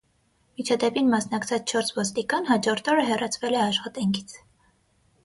Միջադեպին մասնակցած չորս ոստիկան հաջորդ օրը հեռացվել է աշխատանքից։